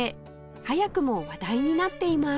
早くも話題になっています